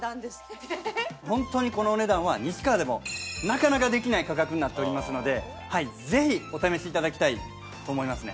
ホントにこのお値段は西川でもなかなかできない価格になっておりますのでぜひお試しいただきたいと思いますね。